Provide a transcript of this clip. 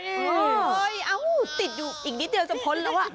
โอ้โหติดอยู่อีกนิดเดียวจะพ้นแล้วอ่ะ